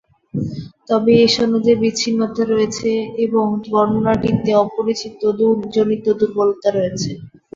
তবে এ সনদে বিচ্ছিন্নতা রয়েছে এবং বর্ণনাটিতে অপরিচিতি জনিত দুর্বলতা রয়েছে।